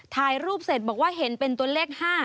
ถ่ายรูปเสร็จบอกว่าเห็นเป็นตัวเลข๕